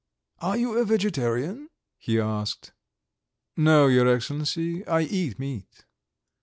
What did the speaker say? "Are you a vegetarian?" he asked. "No, your Excellency, I eat meat."